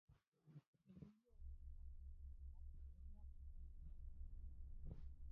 Egile honen ekarpen nagusiak hurrengoak izan ditzake.